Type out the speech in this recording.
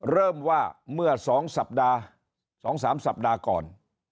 เริ่มว่าเมื่อ๒สัปดาห์๒๓สัปดาห์ก่อน